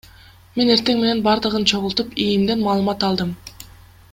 Мен эртең менен бардыгын чогултуп, ИИМден маалымат алдым.